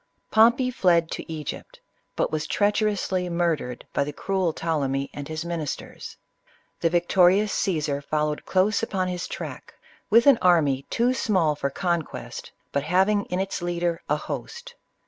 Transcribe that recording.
Pom pey fled to Egypt, but was treacherously murdered by the cruel Ptolemy and his ministers. The victorious Caesar followed close upon his track, with an army too small for conquest, but having in its leader a host.